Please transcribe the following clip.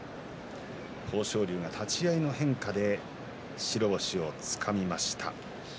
豊昇龍、立ち合いの変化で白星をつかみました。